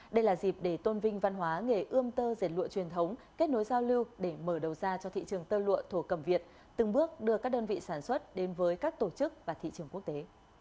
đây là dịp để tôn vinh văn hóa nghề ươm tơ dệt lụa truyền thống kết nối giao lưu để mở đầu ra cho thị trường tơ lụa thổ cầm việt từng bước đưa các đơn vị sản xuất đến với các tổ chức và thị trường quốc tế